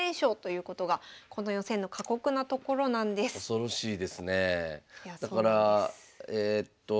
恐ろしいですね。